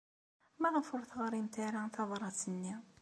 Maɣef ur teɣrimt ara tabṛat-nni?